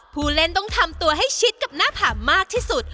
ผู้เล่นต้องทำตัวให้ชิดกับหน้าผามากที่สุด